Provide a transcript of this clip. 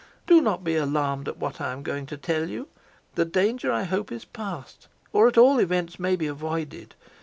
Do not be alarmed at what I am going to tell you. The danger I hope is passed, or at all events may be avoided.